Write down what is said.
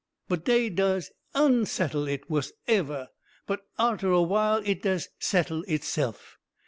But dey des ONsettle hit wuss'n evah! But arter a while it des settle HITse'f.